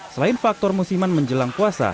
selain faktor musiman menjelang puasa